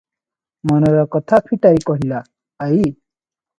ମନର କଥା ଫିଟାଇ କହିଲା, "ଆଈ!